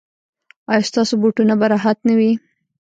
ایا ستاسو بوټونه به راحت نه وي؟